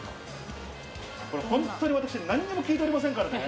本当に私、何も聞いておりませんからね。